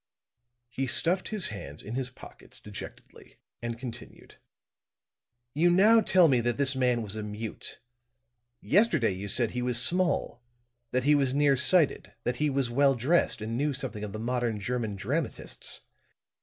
He stuffed his hands in his pockets dejectedly and continued: "You now tell me that this man was a mute. Yesterday you said he was small, that he was near sighted, that he was well dressed and knew something of the modern German dramatists.